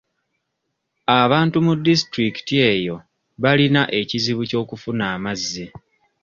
Abantu mu disitulikiti eyo balina ekizibu ky'okufuna amazzi.